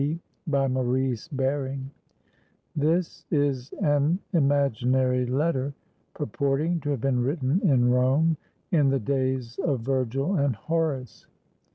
D.] BY MAURICE BARING [This is an imaginary letter, purporting to have been written in Rome in the days of Virgil and Horace.